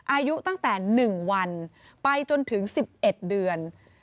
อายุตั้งแต่๑วันไปจนถึง๑๑เดือน